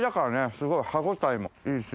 すごい歯応えもいいし。